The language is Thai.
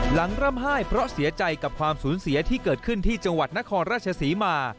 ร่ำไห้เพราะเสียใจกับความสูญเสียที่เกิดขึ้นที่จังหวัดนครราชศรีมา